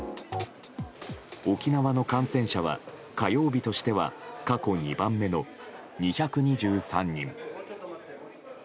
沖縄の感染者は、火曜日としては過去２番目の２２３人。